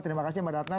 terima kasih mbak datna